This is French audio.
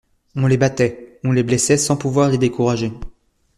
On les battait, on les blessait sans pouvoir les décourager.